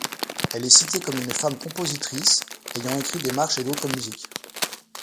Elle est citée comme une femme compositrice, ayant écrit des marches et d'autres musiques.